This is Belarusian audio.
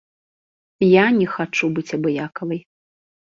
Я не хачу быць абыякавай.